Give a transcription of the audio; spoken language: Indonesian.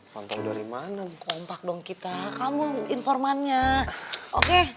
pontol dari mana kompak dong kita kamu informannya oke